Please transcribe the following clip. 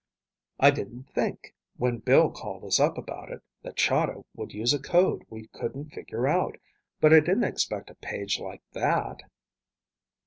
"I didn't think, when Bill called us up about it, that Chahda would use a code we couldn't figure out, but I didn't expect a page like that."